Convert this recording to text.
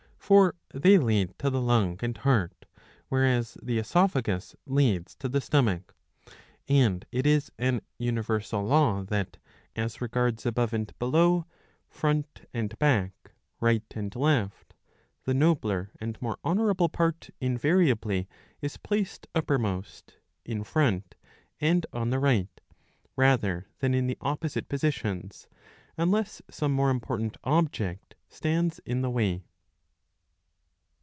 For they lead to the lung and heart,^ whereas the oesophagus leads to the stomach. And it is an universal law that, as regards above and below, front and back, right and left, the nobler and more honourable part invariably is placed upper most, in front, and on the right, rather than in the opposite positions, unless some more important object stands in the way.